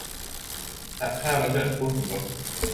หักค่าลดหย่อนคู่สมรส